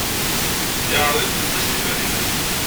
Yeɛreḍ-it netta s timmad-nnes.